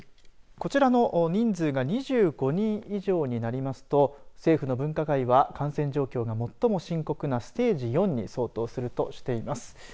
こちらの人数が２５人以上になりますと政府の分科会は感染状況が最も深刻なステージ４に相当するとしています。